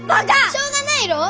しょうがないろう！